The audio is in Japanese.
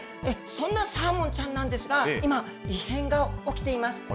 そんなサーモンちゃんなんですが、今、異変が起きています。